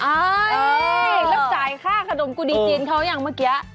แล้วจ่ายค่าขนมกุดีจีนเขายังเมื่อกี้